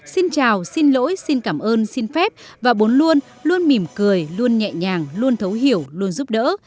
xin chào xin lỗi xin cảm ơn xin phép và bốn luôn luôn mỉm cười luôn nhẹ nhàng luôn thấu hiểu luôn giúp đỡ